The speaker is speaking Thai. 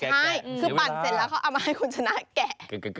ใช่คือปั่นเสร็จแล้วเขาเอามาให้คุณชนะแกะ